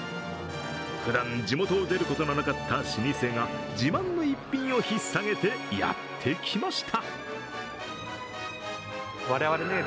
ふだん、地元を出ることのなかった老舗が自慢の逸品をひっさげてやってきました。